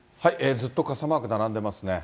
ずっと傘マーク並んでますね。